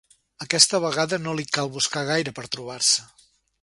Aquesta vegada no li cal buscar gaire per trobar-se.